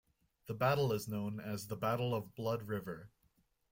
The battle is known as the Battle of Blood River.